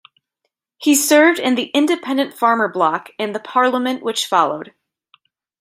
He served in the Independent-Farmer bloc in the parliament which followed.